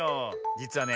じつはね